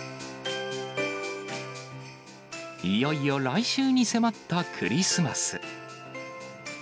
いよいよ来週に迫ったクリスマス。